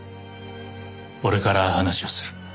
俺から話をする。